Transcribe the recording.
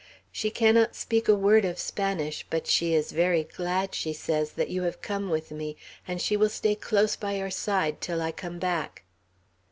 She cannot speak a word of Spanish, but she is very glad, she says, that you have come with me, and she will stay close by your side till I come back."